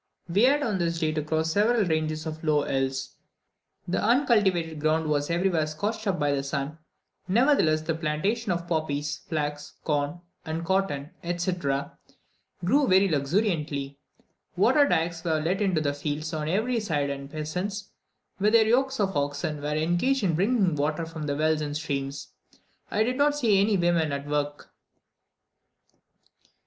We had on this day to cross several ranges of low hills. The uncultivated ground was everywhere scorched up by the sun; nevertheless, the plantations of poppies, flax, corn, and cotton, etc., grew very luxuriantly. Water dykes were let into the fields on every side, and peasants, with their yokes of oxen, were engaged in bringing water from the wells and streams. I did not see any women at work.